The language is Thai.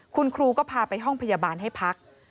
คุณครูก็พาไปห้องพยาบาลให้พัก